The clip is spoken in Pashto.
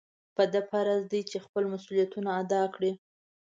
په ده فرض دی چې خپل مسؤلیتونه ادا کړي.